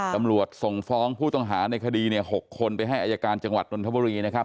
ตำรวจส่งฟ้องผู้ต่างหาในคดี๖คนไปให้อายการจังหวัดน้วนทบุรีนักครับ